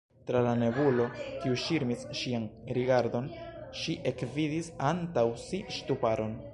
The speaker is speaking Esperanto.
Tra la nebulo, kiu ŝirmis ŝian rigardon, ŝi ekvidis antaŭ si ŝtuparon.